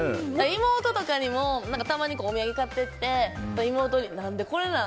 妹とかにもたまにお土産買っていって妹に何でこれなん？